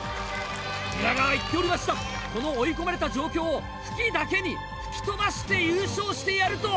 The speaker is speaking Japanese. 宮川は言っておりました「この追い込まれた状況を蕗だけに吹き飛ばして優勝してやる」と。